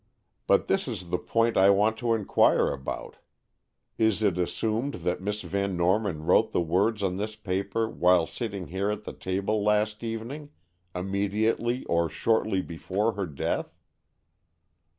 But this is the point I want to inquire about: is it assumed that Miss Van Norman wrote the words on this paper while sitting here at the table last evening, immediately or shortly before her death?"